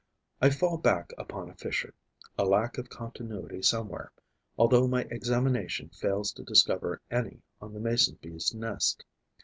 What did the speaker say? I fall back upon a fissure, a lack of continuity somewhere, although my examination fails to discover any on the Mason bee's nest.